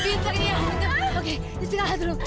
oke istirahat dulu